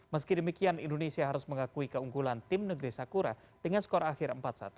meski demikian indonesia harus mengakui keunggulan tim negeri sakura dengan skor akhir empat satu